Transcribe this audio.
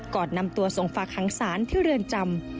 ก่อนนำตัวส่งฝากหางศาลที่เรือนจำ